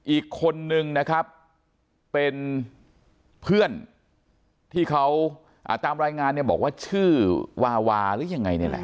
อีกคนนึงนะครับเป็นเพื่อนที่เขาตามรายงานเนี่ยบอกว่าชื่อวาวาหรือยังไงนี่แหละ